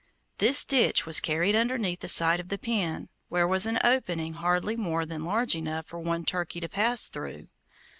This ditch was carried underneath the side of the pen, where was an opening hardly more than large enough for one turkey to pass through.